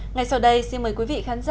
ngày sau đây xin mời quý vị khán giả